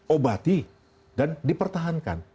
obati dan dipertahankan